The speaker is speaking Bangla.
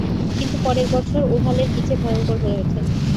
কিন্তু পরের বছর ওভালের পিচে ভয়ঙ্কর হয়ে উঠেন।